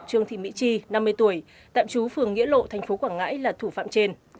trương thị mỹ chi năm mươi tuổi tạm trú phường nghĩa lộ tp quảng ngãi là thủ phạm trên